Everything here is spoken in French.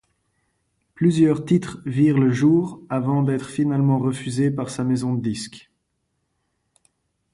Plusieurs titres virent le jour, avant d'être finalement refusés par sa maison de disques.